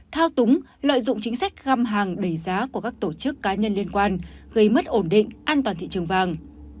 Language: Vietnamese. thao túng lợi dụng chính sách găm hàng đầy giá của các tổ chức cá nhân liên quan gây mất ổn định an toàn thị trường vàng